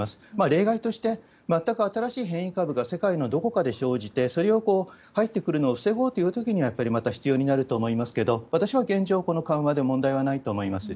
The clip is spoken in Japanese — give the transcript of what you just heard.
例外として、全く新しい変異株が世界のどこかで生じて、それを入ってくるのを防ごうというときには、やっぱりまた必要になると思いますけれども、私は現状、この緩和で問題はないと思います。